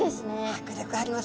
迫力ありますね。